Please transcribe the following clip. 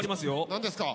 何ですか？